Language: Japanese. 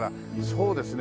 そうですね